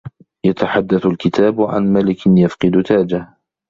يتحدث الكتاب عن ملك يفقد تاجه.